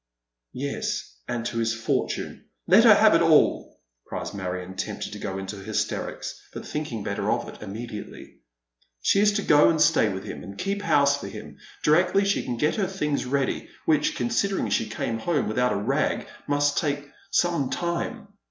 " Yes, and to his fortune. Let her have it all," cries Marion, tempted to go into hj'sterics, but thinking better of it immediately. " She is to go and stay with him, and keep house for him, directly she can get her things ready, which, considering she came home without a rag, must take some time.